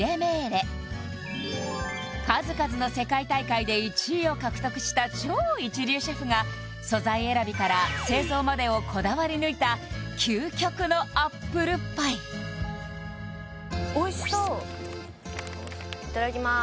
数々の世界大会で１位を獲得した超一流シェフが素材選びから製造までをこだわり抜いた究極のアップルパイおいしそういただきます